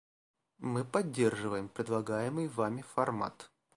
Мы поддерживаем предлагаемый Вами формат.